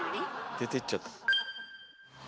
出ていっちゃった。